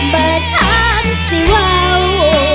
เบอร์ทั้งสิว่าว